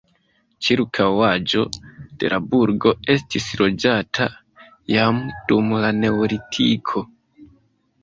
Ĉirkaŭaĵo de la burgo estis loĝata jam dum la neolitiko.